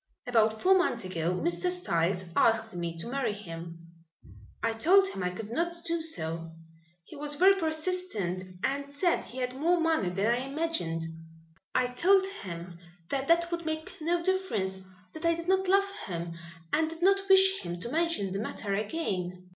About four months ago Mr. Styles asked me to marry him. I told him I could not do so. He was very persistent and said he had more money than I imagined. I told him that that would make no difference, that I did not love him and did not wish him to mention the matter again."